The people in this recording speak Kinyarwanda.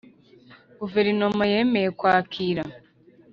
guverinoma yemeye kwakira